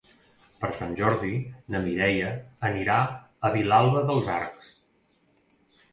Per Sant Jordi na Mireia anirà a Vilalba dels Arcs.